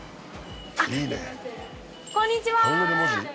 あっこんにちは！